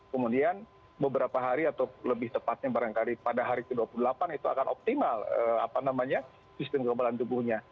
kemudian beberapa hari atau lebih tepatnya barangkali pada hari ke dua puluh delapan itu akan optimal sistem kekebalan tubuhnya